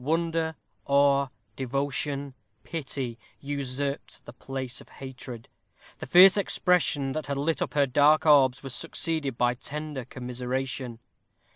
Wonder, awe, devotion, pity, usurped the place of hatred. The fierce expression that had lit up her dark orbs was succeeded by tender commiseration.